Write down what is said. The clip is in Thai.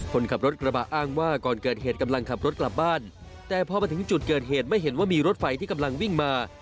คนขับรถกระบะอ้างว่าก่อนเกิดเหตุกำลังขับรถกลับบ้านแต่พอมาถึงจุดเกิดเหตุไม่เห็นว่ามีรถไฟที่กำลังวิ่งมา